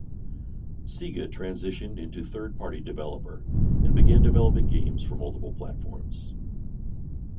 Sega transitioned into to third-party developer and began developing games for multiple platforms.